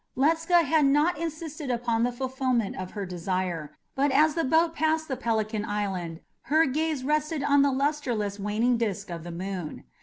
Ledscha had not insisted upon the fulfilment of her desire, but as the boat passed the Pelican Island her gaze rested on the lustreless waning disk of the moon.